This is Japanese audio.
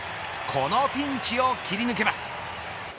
このピンチを切り抜けます。